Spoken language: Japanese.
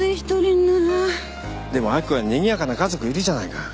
でも明子にはにぎやかな家族いるじゃないか。